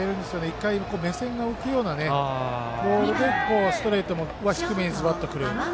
一回、目線が浮くようなボールでストレートは低めにズバッとくる。